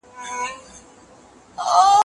ویب سایټ باید د ټولو وسایلو سره مطابقت ولري.